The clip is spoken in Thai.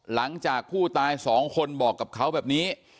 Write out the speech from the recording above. หลังจากผู้ตายสองคนบอกกับเขาแบบนี้